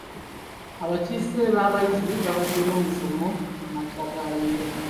Abakiise b'abayizi baabadde n'omusomo amakya ga leero.